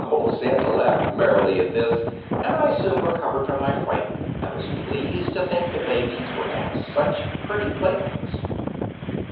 Old Santa laughed merrily at this, and I soon recovered from my fright and was pleased to think the babies were to have such pretty playthings.